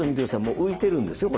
もう浮いてるんですよ